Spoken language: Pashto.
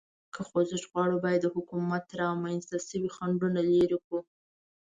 که خوځښت غواړو، باید د حکومت رامنځ ته شوي خنډونه لرې کړو.